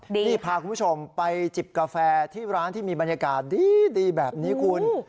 นี่พาคุณผู้ชมไปจิบกาแฟที่ร้านที่มีบรรยากาศดีแบบนี้คุณ